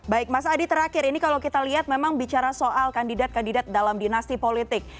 baik mas adi terakhir ini kalau kita lihat memang bicara soal kandidat kandidat dalam dinasti politik